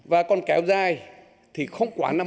và còn kéo dài thì không quá năm năm